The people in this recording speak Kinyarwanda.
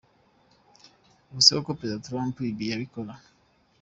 Ubu se koko President Trump ibi yabikora?